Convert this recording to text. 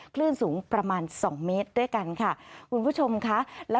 คลื่นสูงประมาณสองเมตรด้วยกันค่ะคุณผู้ชมค่ะแล้ว